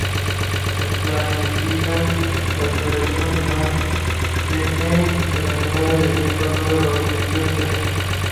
Los planifican las Federaciones Nacionales e Internacionales de Taekwondo de los respectivos países.